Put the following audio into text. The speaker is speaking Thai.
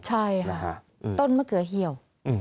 ใช่ค่ะต้นมะเขือเหี่ยว